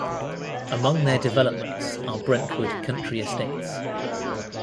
Among their developments are Brentwood Country Estates.